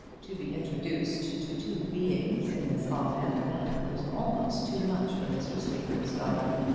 To be introduced, to two Beings in this off hand manner was almost too much for Mr. Sleaford's daughter.